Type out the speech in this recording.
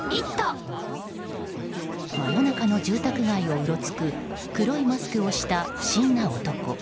真夜中の住宅街をうろつく黒いマスクをした不審な男。